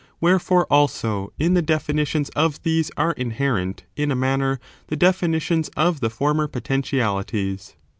Wherefore, also, in the definitions of these are inherent, in a manner, the definitions of the former potentialities.